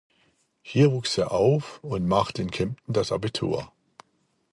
Hier wuchs er auf und machte in Kempten das Abitur.